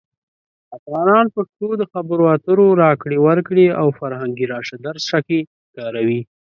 افغانان پښتو د خبرو اترو، راکړې ورکړې، او فرهنګي راشه درشه کې کاروي.